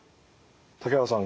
竹原さん